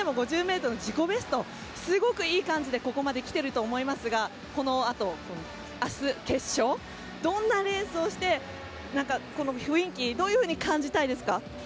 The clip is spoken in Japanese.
すごくいい感じでここまで来ていると思いますがこのあと明日、決勝どんなレースをしてこの雰囲気どういうふうに感じたいですか？